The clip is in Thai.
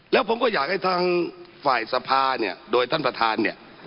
แล้วผมก็อยากให้ทางฝ่ายสภาเนี่ยโดยท่านประธานเนี่ย